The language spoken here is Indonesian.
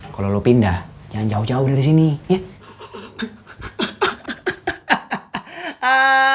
kalau lo pindah jangan jauh jauh dari sini ya